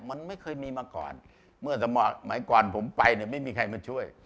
มันไม่เคยมีมาก่อนเมื่อสมัยก่อนผมไปเนี่ยไม่มีใครมาช่วย